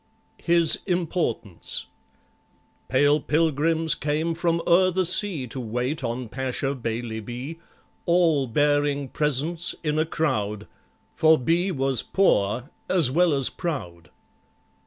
His Importance Pale Pilgrims came from o'er the sea To wait on PASHA BAILEY B., All bearing presents in a crowd, For B. was poor as well as proud.